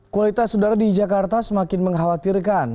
kualitas udara di jakarta semakin mengkhawatirkan